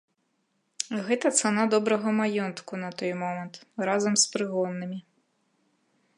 Гэта цана добрага маёнтку на той момант, разам з прыгоннымі.